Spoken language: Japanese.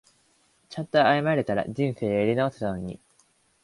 ちゃんと謝れたら人生やり直せたのに